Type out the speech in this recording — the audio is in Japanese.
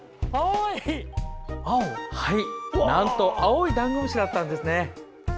なんと青いダンゴムシだったんですね。